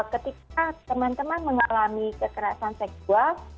ketika teman teman mengalami kekerasan seksual